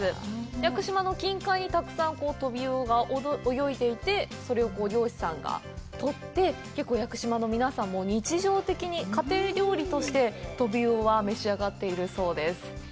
屋久島の近海にたくさんトビウオが泳いでいて、それを漁師さんが取って、結構屋久島の皆さん、日常的に家庭料理としてトビウオは召し上がっているそうです。